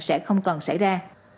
sẽ không còn xảy ra